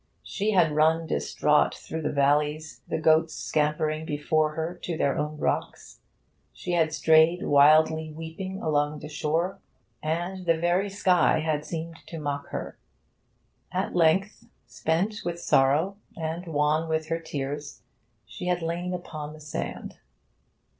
She had run distraught through the valleys, the goats scampering before her to their own rocks. She had strayed, wildly weeping, along the shore, and the very sky had seemed to mock her. At length, spent with sorrow and wan with her tears, she had lain upon the sand.